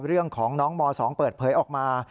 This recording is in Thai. เรื่องของน้องม๒เปิดเผยออกมา